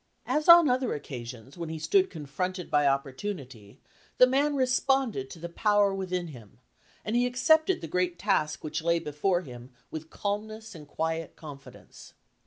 As on other occa sions when he stood confronted by opportunity, the man responded to the power within him, and he accepted the great task which lay before him with calmness and quiet confidence.